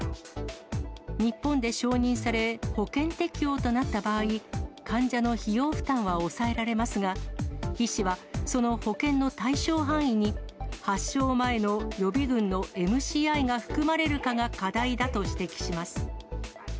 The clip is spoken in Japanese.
日本で承認され、保険適用となった場合、患者の費用負担は抑えられますが、医師は、その保険の対象範囲に発症前の予備軍のＭＣＩが含まれるかが課題だと指摘します。